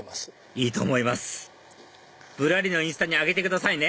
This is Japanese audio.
いいと思います『ぶらり』のインスタに上げてくださいね